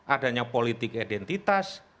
adanya politik identitas